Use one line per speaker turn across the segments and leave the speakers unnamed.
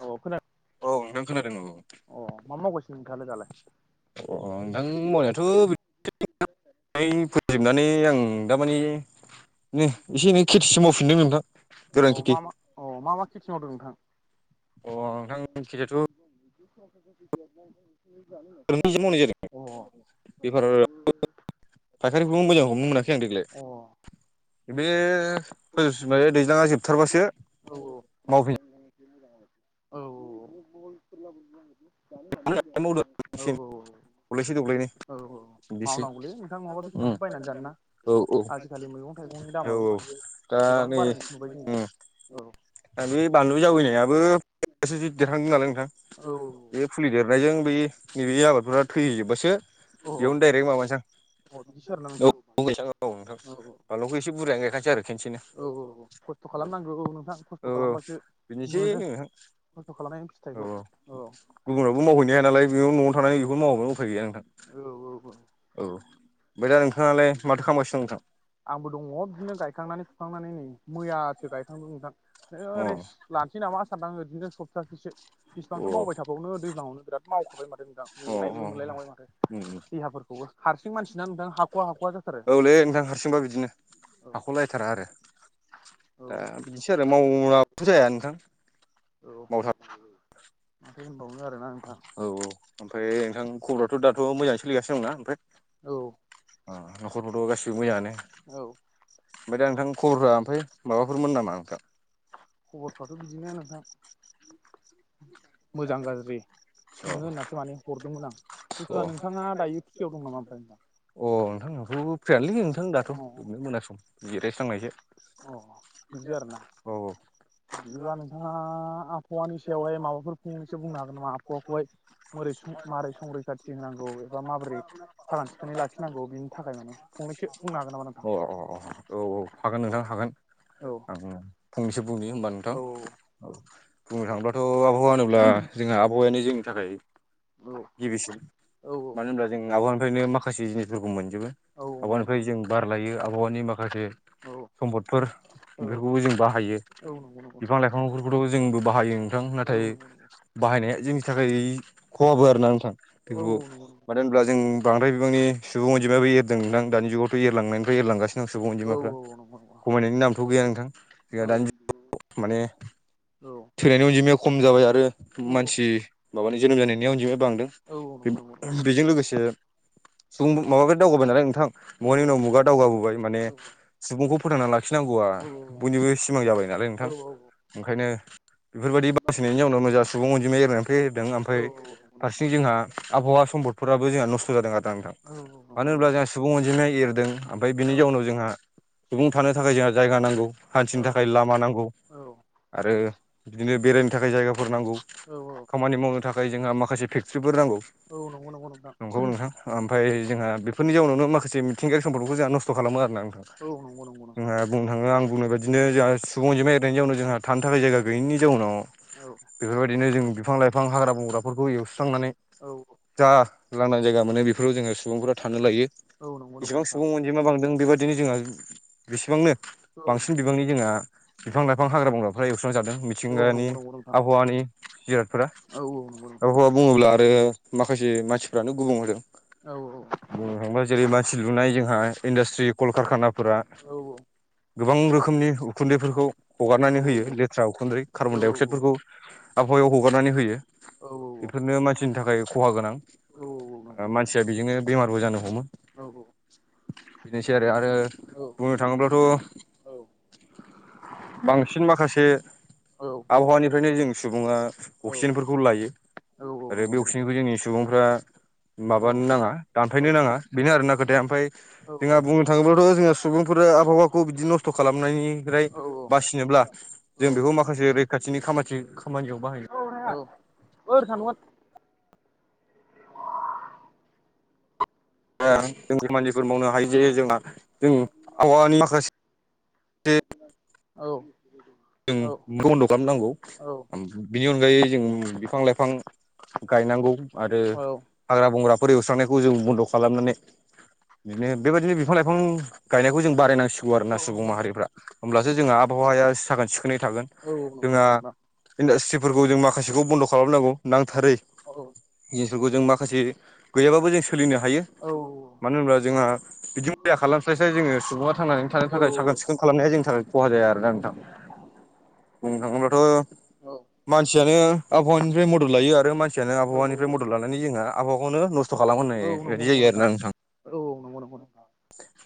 अ खोना
औ नोंथां खोनादों औ।
अ, मा मावगासिंनो नोंथाङालाय दालाय?
अ नोंथां मावनायाथ' [unintelligible] फोजोबनानै आं दामाने नै एसे एनै खेथिसि मावफिनदों नोंथां। गोरान
अ
खेथि।
मा मा अ मा मा खेथि मावदों नोंथां?
अ नोंथां खेथियाथ'
[unintelligible]
[unintelligible] मावनाय जादों
अ
बेफार फायखारिखौबो मोजां हमनो मोनाखै आं देग्लाय।
[unintelligible] अ
बे [unintelligible] जोबथारबासो मावफिन
[unintelligible] औ औ औ [unintelligible]
[unintelligible]
औ
दब्लाइसे दब्लाइनै।
औ औ
बिसि
मावनांगौलै नोंथां नङाबा बेसेबांथो बायनानै जानोना
औ औ
आजिखालि मैगं थाइगंनि
औ
दामाबो
औ।
माथो
दा
गोबां
नै
बारायनायखौ नुबाय जोङो
उम
औ
दा बे बानलु जावैनायाबो [unintelligible] देरहांदों नालाय नोंथां
औ
बे फुलि देर [unintelligible] बे नैबे आबादफोरा थैैहैजोबबासो
औ
बेयावनो डाइरेक्ट माबानसां
अ बिदिसो आरोना नोंथां औ औ
बानलुखौ एसे बुरजायानो गायखानोसै आरो खेनसेनो
औ औ औ खस्थ' खालामनांगौ औ नोंथां
औ
खस्थ'
औ
खालामबासो
बिनोसै
मोनो
नोंथां
खस्थ' खालामनायनि
औ
फिथाइखौ औ
गुबुनावबो मावहैनो हाया नालाय बेयाव न'आवनो थानानै बेफोर मावाबानो उफाय गैया नोंथां
औ औ औ
औ आमफाय दा नोंथाङालाय माथो खालामगासिनो दं नोंथां
आंबो दङ बिदिनो गायखांनानै थुखांनानै नै मैयासो गायखांदों नोंथां रेस लानोसै नामा सानदां ओरैनो सप्तासेसो
अ
बिसिबांथ' मावबाय थाबावनो दैज्लांयावनो बिराद मावखाबाय माथो नोंथां
अ
मेंनायबो मोनलायलांबाय माथो।
अ
देहाफोरखौबो हारसिं मानसिना नोंथां हाख'वा हाख'वा जाथारो।
औलै नोंथां हारसिंबा बिदिनो
औ
हाख'लायथारा आरो।
औ
दा बिदिसो आरो [unintelligible] जाया नोंथां?
औ
मावथार
माथो होनबावनो आरोना आं।
औ औ ओमफ्राय नोंथां खबरथ' दाथ' मोजाङै सोलिगासिनो दंना ओमफ्राय?
औ
नखरफ्रावथ' गासिबो मोजाङानो
औ
आमफाय दा नोंथां खबरफ्रा आमफाय माबाफोरमोन नामा नोंथां
खबरफ्राथ' बिदिनो नोंथां मोजां गाज्रि
औ
सोंनो होननासो माने हरदोंमोन आं
अ अ
बुस्थुआ नोंथाङा दायो खुथियाव दं नामा ओमफ्राय नोंथां
अ नोंथांनाथ' फ्रिानोलैै नोंथां दाथ'
अ
बिदिनो मोना सम जिरायस्लांनायसो
अ बिदि आरोना
औ
बिदिब्ला नोंथाङा आबहावानि सायावहाय माबाफोर फंनैसो बुंनो हागोन नामा आबहावाखौहाय
[unintelligible]
मोरै मारै संरैखाथि होनांगौ एबा माबोरै साखोन सिखोनै लाखिनांगौ बिनि थाखाय माने फंनैसो बुंनो हागोन नामा नोंथां
औ औ औ औ हागोन नोंथां हागोन
औ
आं फंनैसो बुंनि होमबा नोंथां
औ
औ बुंनो थाङोब्लाथ' आ बहावा होनोब्ला जोंहा आबहावायानि जोंनि थाखाय
औ
गिबिसिन
औ औ
मानो होनब्ला जों आबहानिफ्रायनो माखासे जिनिसफोरखौ मोनजो बो
औ नंगौ नंगौ
आबहावानिफ्राय जों
नोंथां
बार लायो आबहावानि माखासे
औ
सम्पदफोर
औ
बेफोरखौबो जों बाहायो
औ नंगौ नंगौ
बिफां लाइफांफोरखौथ' जोंबो बाहायो नोंथां नाथाय
बुंनांगौ
बाहायनाया जोंनि थाखाय खहाबो आरोना नोंथां
औ औ
बेफोरखौ
नंगौ नंगौ
मानो होनब्ला जों बांद्राय बिबांनि सुबुं अनजिमाबो एरदोंदां दानि जुगावथ' एरलांनायनिफ्राय एरलांगासिनो सिगां
औ
अनजिमाफ्रा
नंगौ औ नंगौ नंगौ औ
खमायनायनि नामथ' गैया नोंथां
औ
जोंहा दानि माने थैनायनि अनजिमाया खम जाबाय आरो आरो मानसि माबानि जोनोम जानायनि अनजिमाया बांदों बेजों लोगोसे सुंबुं माबाफोर दावगाबाय नालाय नोंथां मुगानि उनाव मुगा दावगाबोबाय माने सुबुंखौ फोथांना लाखिनांगौआ बयनिबो सिमां जाबाय नालाय नोंथां ओंखायनो बेफोरबायदि बासिनायनि जाउनाव मोजां सुबुं अनजिमाया एरायनानै एरदों आमफाय फारसेंथि जोंहा आबहावा सम्पदफोराबो जोंहा नस्थ' जादों आरोना नोंथां मानो होनब्ला जोंहा सुबुं अनजिमाया एरदों ओमफ्राय बिनि जाउनाव जोंहा सुबुं थानो थाखाय जोंहा जायगा नांगौ
औ
हान्थिनो थाखाय लामा नांगौ
औ
आरो बिदिनो बेरायनो थाखाय जायगा फोर नांगौ
औ
खामानि मावनो थाखाय जोंहा माखासे फेक्ट्रिफोर नांगौ
औ नंगौ नंगौ नोंथां
नंगौ नोंथां आमफाय जोंहा बेफोरनि जाउनावनो माखासे मिथिंगायारि सम्फोरखौ जोंहा नस्थ' खालामो आरोना नोंथां
औ नंगौ नंगौ नंगौ
जोंहा बुंनो थाङो आं बुंनाय बादिनो जोंहा सुबुंजोंमा एरायनायनि जाउनाव जोंहा थानो थाखाय जायगा गैयिनि जाउनाव
औ
बेफोरबायदिनो जों बिफां लाइफां हाग्रा बंग्राफोरखौ एवस्रांनानै
औ
जा लांदां जायगा मोनो बेफोराव जोङो सुबुंफोरा थानो लायो
औ नंगौ नंगौ
इसेबां
नोंथां
सुबुं अनजिमा बांदों बेबादिनो जोंहा बेसेबांनो
औ
बांसिन बिबांनि जोंहा
औ
बिफां लाइफां हाग्रा बंग्राफ्रा एवस्रांजादों
औ
मिथिंगानि
नंगौ नंगौ नोंथां
आबहावानि जिरादफोरा
औ औ नंगौ नोंथां
हाबा हा बुङोब्ला आरो माखासे मानसिफ्रानो गुबुं होदों
औ
बुंनो थाङोबा जेरै मानसि लुनाय जोंहा इन्डास्ट्रि कलकारखानाफोरा
औ
गोबां रोखोमनि उखुन्दैफोरखौ
औ
हगारनानै होयो लेथ्रा उखुन्दै
औ
कार्बन डाइ अक्साइदफोरखौ आबहावायाव हगारनानै होयो
औ
बेफोरनो मानसिनि थाखाय खहा गोनां
औ नंगौ नंगौ नोंथां
मानसिया
औ
बेजोंनो बेमारबो जानो हमो
औ
बेनोसै आरो आरो
औ नंगौ औ
बुंनो थाङोब्लाथ'
औ
बांसिन माखासे
ओर
आबहावानि बेनिफ्रायनो जों सुबुङा अक्सिजेनफोरखौ लायो आरो बे अक्सिजेनखौ जोंनि सुबुंफ्रा माबानो नाङा दानफायनो नाङा बेनो आरोना खोथाया आमफाय जोंहा बुंनो थाङोब्लाथ' जोङो सुबुंफोरा आबहावाखौ बिदि नस्थ' खालामनायनिफ्राय बासिन फिनोब्ला जों बेखौ माखासे रैखाथिनि खामाथि खामानियाव बाहायनो
[unintelligible]
जोंनि मानसिफोर मावनो हायो
औ
जे जोंहा जों आबहानि माखासे
औ
जों
औ
बन्द' खालामनांगौ
औ
बिनि अनगायै जों बिफां-लाइफां गायनांगौ आरो हाग्रा-बंग्राफोर एवस्रांनायखौ जों बन्द' खालामनानै बिदिनो बेबायदिनो बिफा-लाइफां गायनायखौ जों बारायनांसिगौ आरोना सुबुं
नंगौ नंगौ
माहारिफ्रा होमब्लासो जोंहा आबहावाया साखोन सिखोनै थागोन
औ नंगौ नंगौ
जोंहा
नोंथां
इन्डास्ट्रिफोरखौ जों माखासेखौ बन्द' खालामनांगौ नांथारै
औ
जिनिसफोरखौ जों माखासे गैयाबाबो जों सोलिनो हायो।
औ
मानो होनब्ला जोंहा बिदि मैया खालामस्लायसाय जोङो सुबुङा थांनानै थानो
औ
थाखाय
औ
साखोन-सिखोन खालामनाया जोंनिथार खहा जाया आरोना नोंथां बुंनो थाङोबाथ'
औ
मानसियानो आबहावानिफ्राय मदद लायो आरो मानसियानो
औ
आबहावानिफ्राय मदद लानानै जोंहा आबहावाखौनो नस्थ' खालामगोश
औ
होननाय
नंगौ
बायदि
नंगौ
जायो आरोोना नोंथां
औ नंगौ नंगौ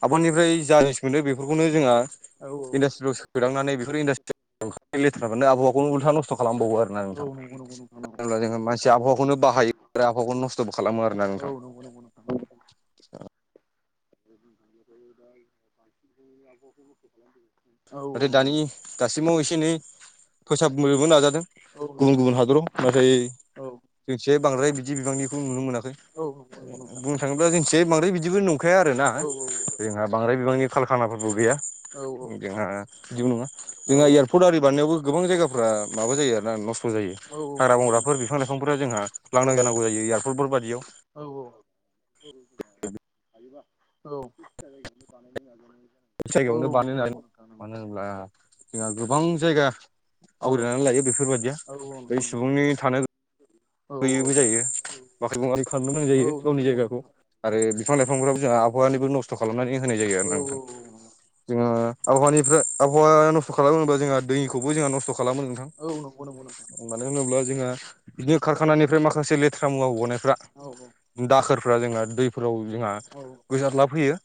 आबादनिफ्राय जा जिनिस मोनदों बेफोरखौनो जोंहा
औ
इन्डासट्रियाव सोदांनानै बेफोर इन्डास्ट्रि लेथ्राफोरानो आबहावखौनो उल्था नस्थ' खालामबावो आरो ना
औ नंगौ नंगौ नोंथां
अब्ला जोङो मानसि आबहावाखौनो बाहायो आरो आबहावाखौ नस्थ' खालामो आरो
औ नंगौ नंगौ नोंंगौ दा बालसिखौ आबहावाखौ बस्थ' खालामदों
नाथाय दानि दासिमाव एसे एनै फैसा मोननो नाजादों
औ
गुबुन
नंगौ नंगौ
गुबुन
नोंथां
हादराव नाथाय
औ
जोंसे बांद्राय बिदि बिबांनिखौ नुनो मोनाखै
औ नंगौ नंगौ नोंथां
बुंनो थाङोब्ला जोंथि बांद्राय बिदिबो नंखाया आरो ना
औ
जोंहा बांद्राय बिबांनि कारखानाफोरबो गैया
औ औ
जोंहा बिदिबो नङा
औ
जोंहा यारफरद आदि बानायनायावबो गोबां जायगा फरा माबा जायो आरोना नस्थ' जायो
औ औ
हाग्रा
नंगौ नंगौ नोंथां
बंग्राफोर बिफां-लाइफांफोरा जोंहा
औ
लांनांगोनांगौ जायो। फुटबल बायदियाव
औ नंगौ नोंथां नंगौ औ नंगौ औ नंगौ नोंथां औ नंगौ औ नंगौ नोंथां औ औ [inaudible]
बे जायगायावनो बानाय मानो होनबा जोंहा गोबां जायगा आवग्रिनानै लायो बेफोरबायदिया बै सुबुंनि थानो होयोबो जायो बाख्रि बगा खाननो मोनां जायो गावनि जायगाखौ आरो बिफां-लाइफांफ्राबो जोंहा आबहावानिबो नस्थ खालामनानै होनाय जायो आरो ना नोंथां जोङो आबहावानिफ्राय आबहावाया नस्थ खालाम होनोबा जोंहा दैखौबो जोंहा नस्थ खालामो नोंथां
औ नंगौ नंगौ नंगौ नोंथां
मानो होनोब्ला जोंहा बिदिनो कारखानानिफ्राय माखासे लेथ्रा मुवा गनायफ्रा दाखोरफारा जोंहा दैफोराव जोंहा गोसार्ला फैयो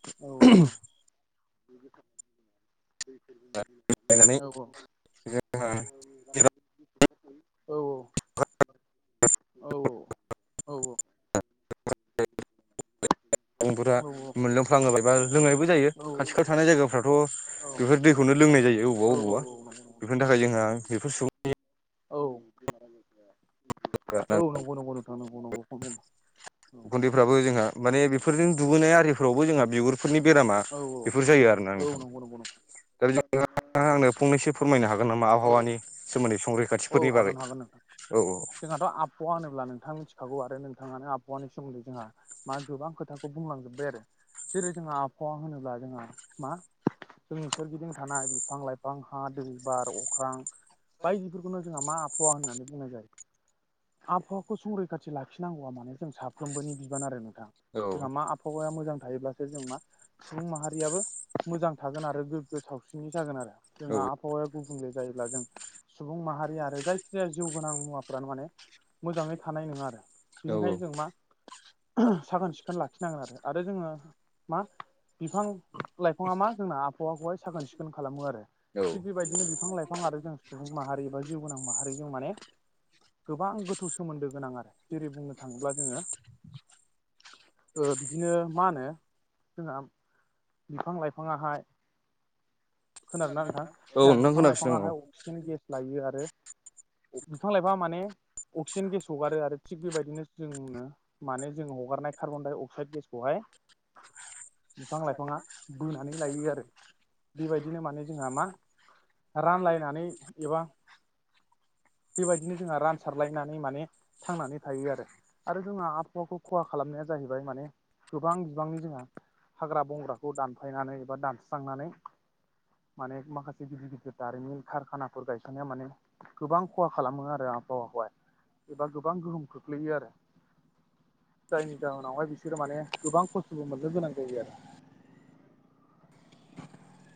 नानै जोंहा
[inaudible] औ औ [unintelligible]
फोरा
औ औ
मोनलोंफ्लाङोबाय बा लोंनायबो जायो
औ
खाथि खाल थानाय जायगाफ्राथ' बेफोर दैखौनो लोंनाय जायोबेबा
औ
बबेवबा बेफोरनि थाखाय जोंहा बेफोर सुबुं
औ
सुबुंफोरा
औ नंगौ नंगौ नोंथं नंगौखौनो बुंदों
गुन्दैफ्राबो जोंहा माने बेफोरजों दुुबोनाय आरिफोरावबो जोंहा बिगुरफोरनि बेरामा
औ
बेफोर जायो आरोना
औ
नोंथां
नंगौ नंगौ नोंथां
दा बे आंनो फंनैसो फोरमायनो हागोन नामा
औ
आबहावानि सोमोन्दै संरैखाथि
औ
फोरनि बारै
हागोन हागोन नोंथां
औ औ
जोंहाथ आबहावा होनोब्ला नोंथां थागौ आरो नोंथांङानो आबहावानि सोमोन्दै जोंहा मा गोबां खोथाखौ बुंलांजोबबाय आरो जेरै जोंहा आबहावा होनोब्ला जोंहा मा? जोंनि सोरगिदिं थानाय बिफां लाइफां हा दै बार अख्रां बायदिफोरखौनो जोंहा मा आबहावा होननानै बुंनाय जायो आबहावाखौ संरैखाथि लाखिनांगौआ मानो जों साफ्रोमबोनि बिबान आरो नोंथां जोंहा मा आब वहायाव मोजां थायोब्लासो जों मा? सुबुं माहारियाबो मोजां थागोन आरो गोग्गो सावस्रिनि जागोन आरो जोंहा आबहावाया गुबुंले जायोब्ला जों सुबुं माहारि आरो जायखिजाया जिउ गोनां मुवाफ्रानो माने मोजांङै थानाय नंङा आरो
औ
बेनिखायनो जों मा साखोन सिखोन लाखिनांगोन आरो आरो जोंङो मा बिफां लाइफाङा मा जोंना आबहावाखौहाय साखोन सिखोन खालामो आरो
औ
थिग बेबायदिनो बिफां लाइफां आरो जों सुबुं माहारि एबा जिउ गोनां माहारि जों माने गोबां गोथौ सोमोन्दो गोनां आरो जेरै बुंनो थाङोब्ला जोङो
[unintelligible]
ओ बिदिनो मा होनो जोंहा बिफां लाइफांङाहाय खोनादोंना नोंथां
औ
जोंहा
नोंथां
बिफां
खोनागासिनो दं औ
लाइफांङाहाय अक्सिजेन गेस लायो आरो बिफां लाइफांआमाने अक्सिजेन गेस हगारो आरो थिग बेबायदिनो जोंनो माने जोंङो हगारनाय कार्बन डाइ अक्साइड गेसखौहाय बिफां लाइफा ङा बोनानै लायो आरो बेबायदिनो माने जोंहा मा रानलायनानै एबा बेबायदिनो जोंहा रानसारलायनानै माने थांनानै थायो आरो आरो जोंहा आब आबहावाखौ खहा खालामनाया जाहैबाय माने गोबां बिबांनि जोंहा हाग्रा बंग्रा खौ दानफायनानै एबा दानस्रांनानै माने माखासे गिदिर गिदिर दारिमनि खारखानाफोर गायसननाया माने गोबां खहा खालामो आरो आबहावाखौहाय एबा गोबां गोहोम खोख्लैयो आरो जायनि जाहोनावहाय बिसोरो माने गोबां खस्थबो मोननो गोनां जायो आरो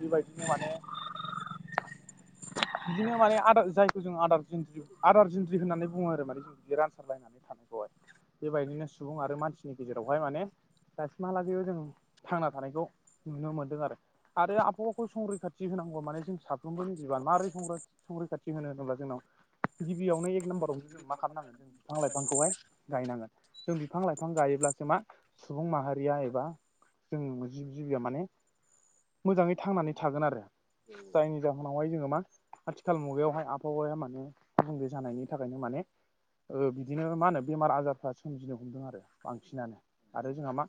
बेबायदिनो माने बिदिनो माने आदार जायखौ जों आदार जिन्ज्रि आदार जिन्ज्रि होननानै बुंङो आरो माने जों बि रानसारलायनानै [unintelligible] बेबायदिनो सुबुं आरो मानसिनि गेजेरावहाय माने दासिमहालागैबो जों थांना खौ नुनो मोनदों आरो आरो आबहावाखौ संरैखाथि होनांगौ माने जों साब साफ्रोमबो नि बिबान मारै [unintelligible] संरैखाथि होनो होनोब्ला जोंनाव गिबियावनो एक नाम्बारावनो जों मा खालामनांगोन जों बिफां लाइफांखौहाय गायनांगोन जों बिफां लाइफां गायोब्लासो मा सुबुं माहारिया एबा जों जिब जिबिया माने मोजांङै थांनानै थागोन आरो जायनि जाहोनावहाय जोंङो मा आथिखाल मुगायावहाय आबहावाया माने गुबुंले जानायनि थाखायनो माने ओ बिदिनो मा होनो बेमार आजारफ्रा सोमजिनो हमदों आरो बांसिनानो आरो जोंहा मा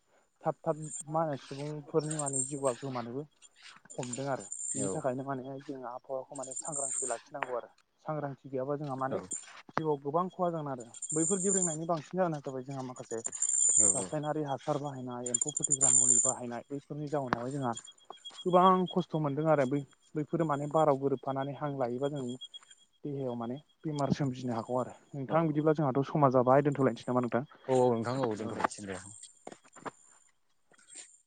थाब थाब मा होनो सुबुंफोरनि माने जिउआ गोमानोबो हमदों आरो बिनि थाखायनो माने जोंङो आबहावाखौ माने सांग्रांथि लाखिनांगौ आरो सांग्रांथि गैयाबा जोंहा
औ
माने जिउआव गोबां खहा जागोन आरो बैफोर गेब्रेंनायनि बांसिन जाहोना जाबाय जोंहा माखा
[inaudible]
रासायनारि हासार बाहायनाय एम्फौ फोथैग्रा मुलि बाहायनाय बैफोरनि जाउनावहाय जोंहा गोबां खस्थ खौ मोनदों आरो बै बैफोरो माने बाराव गोरोबफानानै हां लायोबा जों देहायाव माने बेमार सोमजिनो हागौ आरो
औ औ
नोंथां बिदिबा जोंहाथ' समाजाबाय दोनथ'लायनोसै नामा नोंथां
औ नोंखां औ दोनथ'लायसै दे